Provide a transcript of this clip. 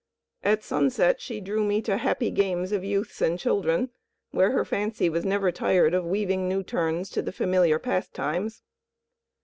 At sunset she drew me to happy games of youths and children, where her fancy was never tired of weaving new turns to the familiar pastimes.